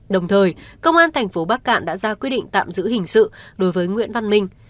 đồng thời công an thành phố bắc cạn đã ra quyết định tạm giữ hình sự đối với nguyễn văn minh